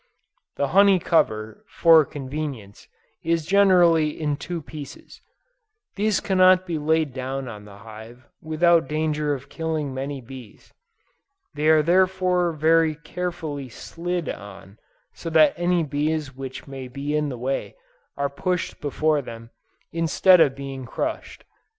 The honey cover, for convenience, is generally in two pieces: these cannot be laid down on the hive, without danger of killing many bees; they are therefore very carefully slid on, so that any bees which may be in the way, are pushed before them, instead of being crushed.